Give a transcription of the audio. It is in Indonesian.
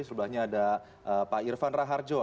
sebelahnya ada pak irfan raharjo